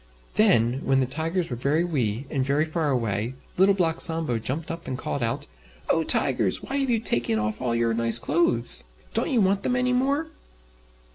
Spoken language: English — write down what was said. Then, when the Tigers were very wee and very far away, Little Black Sambo jumped up and called out, "Oh! Tigers! why have you taken off all your nice clothes? Don't you want them any more?"